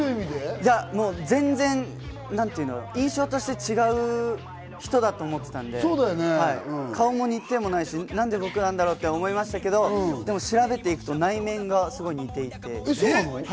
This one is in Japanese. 全然、印象として違う人だと思ってたので、顔が似てもないし、なんで僕らんだろう？と思いましたけど、調べていくと内面がすごい似ていて。